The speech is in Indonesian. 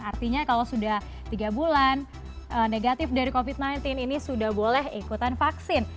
artinya kalau sudah tiga bulan negatif dari covid sembilan belas ini sudah boleh ikutan vaksin